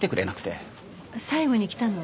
最後に来たのは？